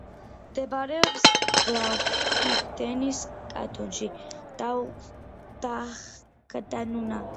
მდებარეობს გრაუბიუნდენის კანტონში; გადაჰყურებს სან-ბერნარდინოს უღელტეხილს.